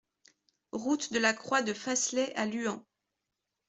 Route de la Croix de Faslay à Luant